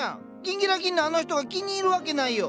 ギンギラギンのあの人が気に入るわけないよ！